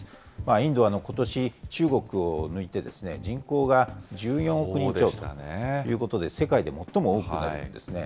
インドはことし、中国を抜いて、人口が１４億人超ということで世界で最も多くなるんですね。